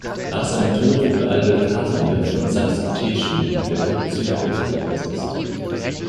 Nach seinem Tod wurde Albert Kasimir von Sachsen-Teschen in der Kapuzinergruft beigesetzt.